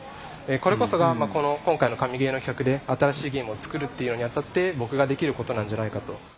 これこそがこの今回の「神ゲー」の企画で新しいゲームを作るっていうのにあたって僕ができることなんじゃないかと。